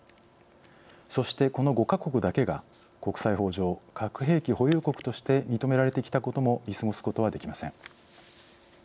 そしてこの５か国だけが国際法上核兵器保有国として認められてきたことも見過ごすことはできません。